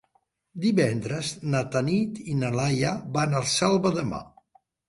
Divendres na Tanit i na Laia van a la Selva de Mar.